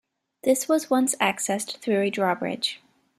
This was once accessed through a drawbridge.